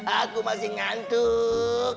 aku masih ngantuk